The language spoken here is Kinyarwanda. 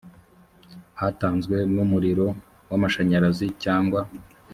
hatanzwe n umuriro w amashanyarazi cyangwa